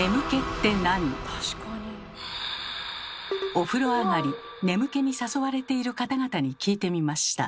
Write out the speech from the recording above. お風呂上がり眠気に誘われている方々に聞いてみました。